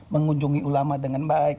mengunjungi ulama dengan baik